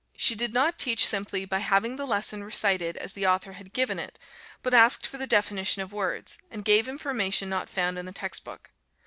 She did not teach simply by having the lesson recited as the author had given it, but asked for the definition of words, and gave information not found in the text book.